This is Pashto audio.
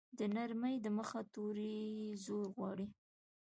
د نرمې ی د مخه توری زور غواړي.